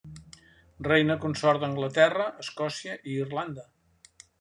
Reina consort d'Anglaterra, Escòcia i Irlanda.